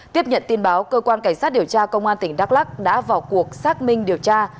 tiếp nhận tin báo cơ quan cảnh sát điều tra công an tỉnh đắk lắc đã vào cuộc xác minh điều tra